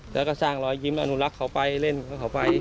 แล้วก็สร้างลอยยิ้มเอนลักษณ์เข้าไป